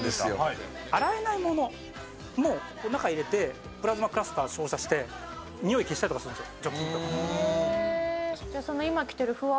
洗えないものも中に入れてプラズマクラスターを照射して臭いを消したりできるんですよ。